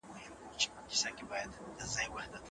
د حقوق الله محاسبه به سخته وي.